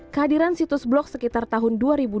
kehadiran situs blog sekitar tahun dua ribu dua belas